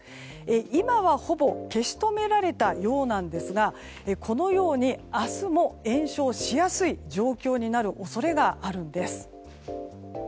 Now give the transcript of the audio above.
今は、ほぼ消し止められたようなんですがこのように、明日も延焼しやすい状況になる恐れがあるんです。